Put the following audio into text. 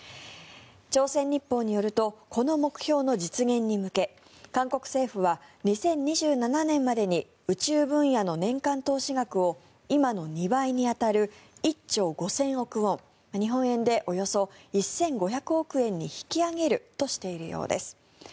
朝鮮日報によるとこの目標の実現に向け韓国政府は２０２７年までに宇宙分野の年間投資額を今の２倍に当たる１兆５０００億ウォン日本円でおよそ１５００億円に引き上げるとしているようです。